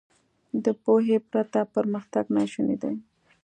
• د پوهې پرته پرمختګ ناشونی دی.